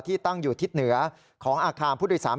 ตั้งอยู่ทิศเหนือของอาคารผู้โดยสาร